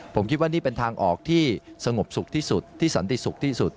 ผมคิดว่านี่เป็นทางออกที่สงบสุขที่สุดที่สันติสุขที่สุด